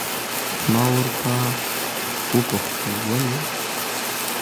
ما ورته وپوښتل ولې؟